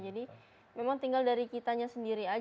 jadi memang tinggal dari kitanya sendiri aja sih